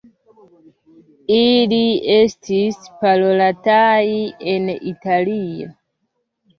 Ili estis parolataj en Italio.